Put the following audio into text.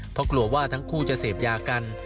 เพราะกลัวว่าทั้งคู่จะเสพยากัน